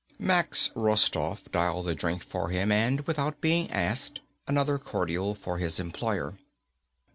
Max Rostoff dialed the drink for him and, without being asked, another cordial for his employer.